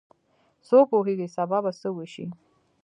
څوک پوهیږي چې سبا به څه وشي